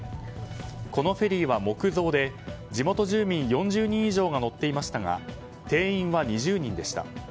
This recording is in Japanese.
このフェリーは木造で地元住民４０人以上が乗っていましたが定員は２０人でした。